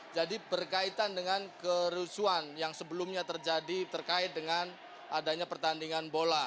jadi berkaitan dengan kerusuhan yang sebelumnya terjadi terkait dengan adanya pertandingan bola